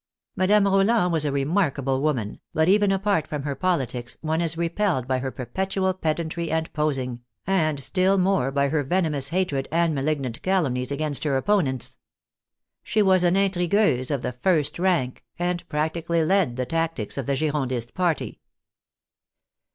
Madame Roland was a remarkable woman, but even apart from her politics, one is repelled by her perpetual ped antry and posing, and still more by her venomous hatred and malignant calumnies against her opponents. She was an intrigueuse of the first rank, and practically led the tactics of the Girondist party.